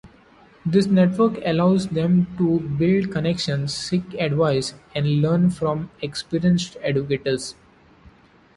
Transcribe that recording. This network allows them to build connections, seek advice, and learn from experienced educators.